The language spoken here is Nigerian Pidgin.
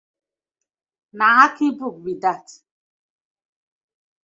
Na Akin book bi dat.